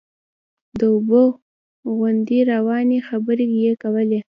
د اوبو غوندې روانې خبرې یې کولې.